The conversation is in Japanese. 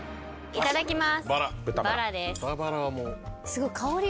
いただきます。